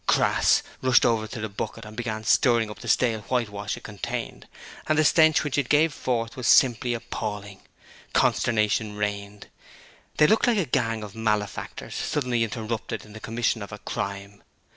Crass rushed over to the bucket and began stirring up the stale whitewash it contained, and the stench which it gave forth was simply appalling. Consternation reigned. They looked like a gang of malefactors suddenly interrupted in the commission of a crime.